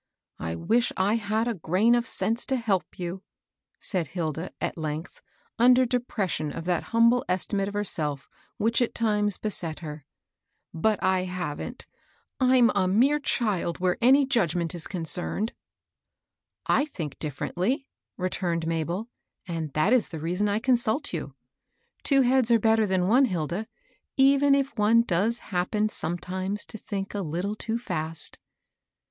" I wish I had a grain of sense to help you !" said Hilda, at length, under depression of that humble estimate of herself which at times beset her; "but I haven't. I'm a mere child where any judgment is concerned." "I think differently," returned Mabel; "and that is the reason I consult you. Two heads are better than one, Hilda, even if one does happen sometimes to think a little too fast."